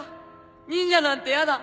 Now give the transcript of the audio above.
忍者なんてやだ。